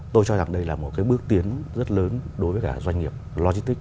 tôi cho rằng đây là một bước tiến rất lớn đối với doanh nghiệp logistics